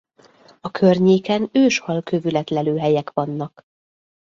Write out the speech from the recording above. A környéken őshalkövület-lelőhelyek vannak.